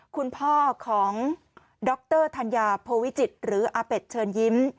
คุณพ่อของดรธัญญาโพวิจิตรหรืออาเป็ดเชิญยิ้ม